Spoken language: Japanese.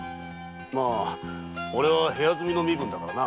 まあ俺は部屋住みの身分だからな。